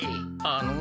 あの。